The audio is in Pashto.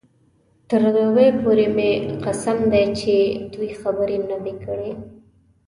تر دوبۍ پورې مې قسم دی چې دوې خبرې نه وې کړې.